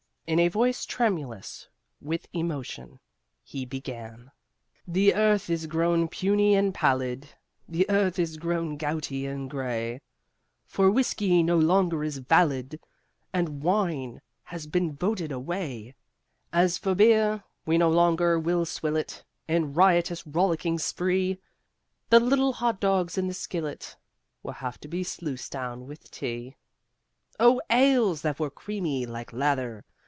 In a voice tremulous with emotion he began: The earth is grown puny and pallid, The earth is grown gouty and gray, For whiskey no longer is valid And wine has been voted away As for beer, we no longer will swill it In riotous rollicking spree; The little hot dogs in the skillet Will have to be sluiced down with tea. O ales that were creamy like lather!